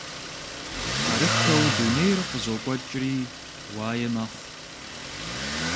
Арыххэу дунейр къызокӀуэкӀри уае мэхъу.